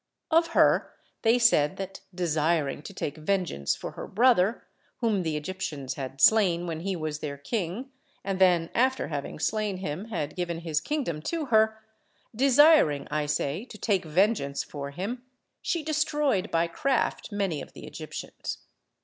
Of her they said that desiring to take vengeance for her brother, whom the Egyptians had slain when he was their king and then, after having slain him, had given his kingdom to her, desiring, I say, to take vengeance for him, she destroyed by craft many of the Egyptians.